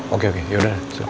oke oke yaudah